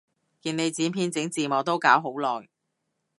見你剪片整字幕都搞好耐